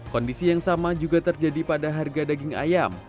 kondisi yang sama juga terjadi pada harga daging ayam